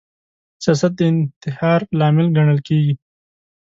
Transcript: سیاست د انتحار لامل ګڼل کیږي